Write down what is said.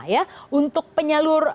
ya untuk penyalur